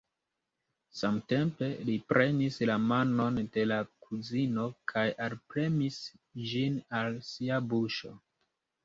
Samtempe li prenis la manon de la kuzino kaj alpremis ĝin al sia buŝo.